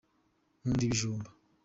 nkunda ibijumba.